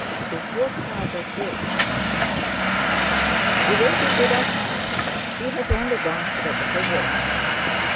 Is your father in?" "He will be directly. He's only gone for a little walk."